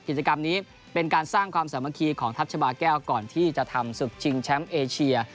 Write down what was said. กิจกรรมนี้เป็นการสร้างความสามัคคีของทัพชาบาแก้วก่อนที่จะทำศึกชิงแชมป์เอเชีย